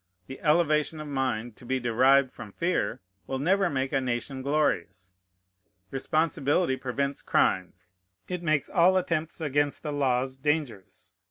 The elevation of mind to be derived from fear will never make a nation glorious. Responsibility prevents crimes. It makes all attempts against the laws dangerous.